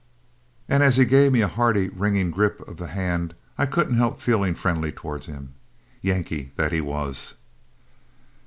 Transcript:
And as he gave me a hearty, ringing grip of the hand, I couldn't help feeling friendly toward him, Yankee that he was.